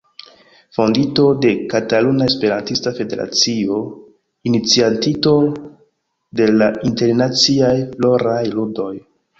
Fondinto de Kataluna Esperantista Federacio, iniciatinto de la Internaciaj Floraj Ludoj.